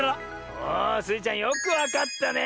あスイちゃんよくわかったねえ。